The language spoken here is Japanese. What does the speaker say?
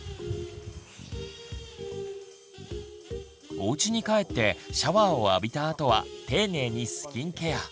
おうちに帰ってシャワーを浴びたあとは丁寧にスキンケア。